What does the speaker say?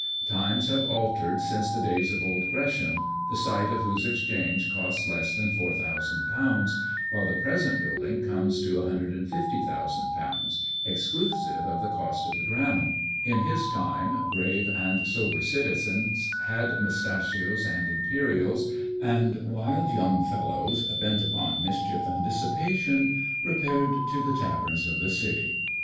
Times have altered since the days of Old Gresham, the site of whose Exchange cost less than £4,000, while the present building comes to £150,000, exclusive of the cost of the ground. In his time, grave and sober citizens had mustachios and imperials; and wild young fellows, bent upon mischief and dissipation, repaired to the taverns of the city.